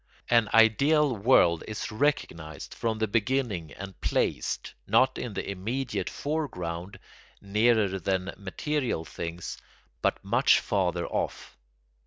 An ideal world is recognised from the beginning and placed, not in the immediate foreground, nearer than material things, but much farther off.